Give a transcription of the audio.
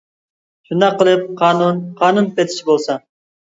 شۇنداق قىلىپ قانۇن قانۇن پېتىچە بولسا.